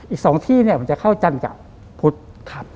อีก๒ที่เนี่ยมันจะเข้าจันทร์กับพุทธ